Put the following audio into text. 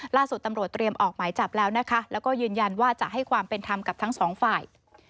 ล่าสุดตำรวจเตรียมออกหมายจับแล้วนะคะแล้วก็ยืนยันว่าจะให้ความเป็นธรรมกับทั้งสองฝ่าย